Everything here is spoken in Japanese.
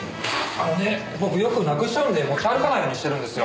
あのね僕よくなくしちゃうんで持ち歩かないようにしてるんですよ。